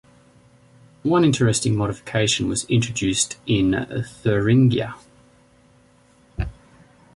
One interesting modification was introduced in Thuringia.